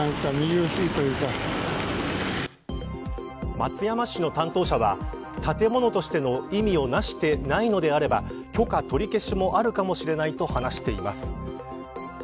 松山市の担当者は建物としての意味を成していないのであれば許可取り消しもあるかもしれないと話しています。